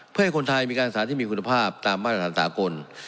เพื่อให้คนไทยมีการศึกษาที่มีคุณภาพตามมาตรฐานสากล